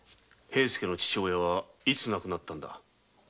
平助の父親はいつ亡くなったんだ？